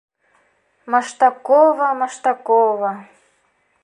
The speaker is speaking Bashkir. Маштакова, Маштакова...